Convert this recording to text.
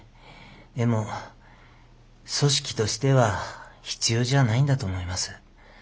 でも組織としては必要じゃないんだと思います。